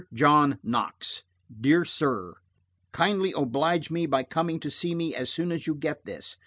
JOHN KNOX: "DEAR SIR–Kindly oblige me by coming to see me as soon as you get this.